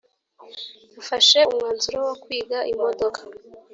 yafashe umwanzuro wo kwiga imodoka